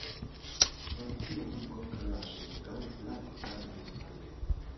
Zortzi eguneko greba hasi dute gaur lan hitzarmenaren alde.